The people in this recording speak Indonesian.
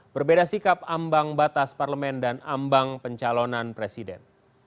berbeda sikap ambang batas parlemen dan ambang pencalonan presiden